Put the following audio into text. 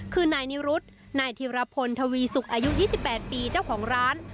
คือนายนิรุธนายธิรพลทวีสุกอายุ๒๘ปีเจ้าของร้าน